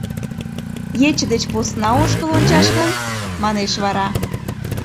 — Ече деч посна ошкыл ончаш гын? — манеш вара.